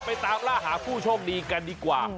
ตามล่าหาผู้โชคดีกันดีกว่า